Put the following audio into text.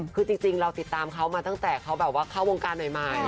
คือจริงเราติดตามเขามาตั้งแต่เขาแบบว่าเข้าวงการใหม่